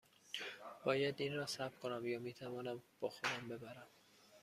باید این را ثبت کنم یا می توانم با خودم ببرم؟